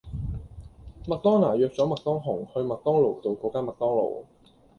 麥當娜約左麥當雄去麥當勞道果間麥當勞